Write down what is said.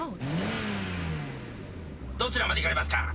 どちらまで行かれますか？